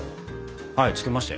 はいつけましたよ。